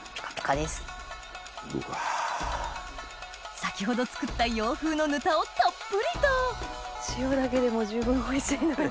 先ほど作った洋風のぬたをたっぷりと塩だけでも十分おいしいのに。